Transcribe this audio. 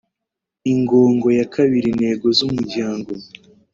Ingongo ya kabiri Intego z umuryango